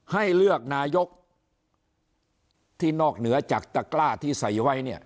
ให้เลือกนายกที่นอกเหนือจากตะกล้าที่ใส่ไว้เนี่ย